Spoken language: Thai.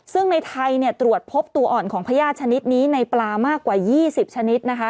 ซึ่งในไทยตรวจพบตัวอ่อนของพญาติชนิดนี้ในปลามากกว่า๒๐ชนิดนะคะ